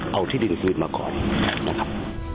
เอาที่ดินคืนมาก่อนนะครับ